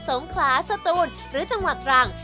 สงคลาสตูลหรือรังที่นะครับ